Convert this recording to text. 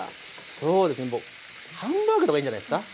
そうですねハンバーグとかいいんじゃないですか。